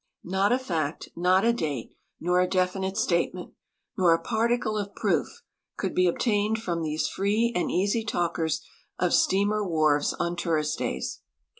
Not a fact, not a date, nor a definite statement, nor a j>article of proof could be obtained from these free and easy talkers of steamer wharves on toufist days.